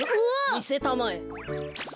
みせたまえ。